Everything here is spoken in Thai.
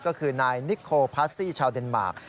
ก็คือนายนิโคพาสซี่ชาวเดนมาร์ค